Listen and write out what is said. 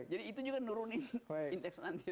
jadi itu juga menurunin indeks nanti